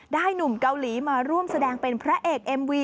หนุ่มเกาหลีมาร่วมแสดงเป็นพระเอกเอ็มวี